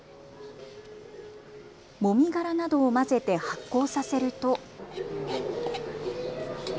もみ殻などを混ぜて発酵させると。